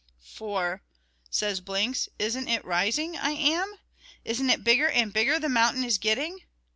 "For," says Blinks, "isn't it rising I am? Isn't it bigger and bigger the mountain is getting?"